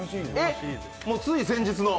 つい先日の。